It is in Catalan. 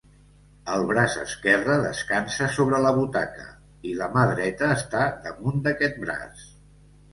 El braç esquerre descansa sobre la butaca i la mà dreta està damunt d'aquest braç.